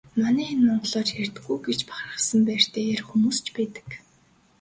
Манай энэ монголоор ярьдаггүй гэж бахархсан байртай ярих хүмүүс ч байдаг.